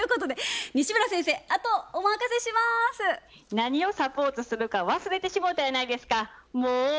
何をサポートするか忘れてしもうたやないですかモー。